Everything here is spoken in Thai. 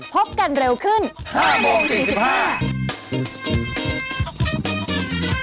โปรดติดตามตอนต่อไป